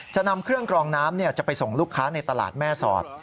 จะนำเครื่องกรองน้ำจะไปส่งลูกค้าในตลาดแม่สอด